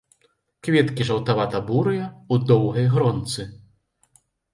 Кветкі жаўтавата-бурыя, у доўгай гронцы.